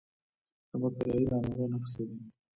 د باکتریایي ناروغیو نښې څه دي؟